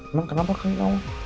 emang kenapa kali kamu